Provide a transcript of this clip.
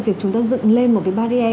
việc chúng ta dựng lên một cái barrier